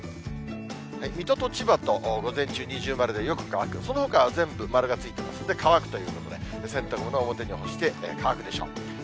水戸と千葉と午前中二重丸で、よく乾く、そのほかは全部丸がついてますんで、乾くということで、洗濯物は表に干して乾くでしょう。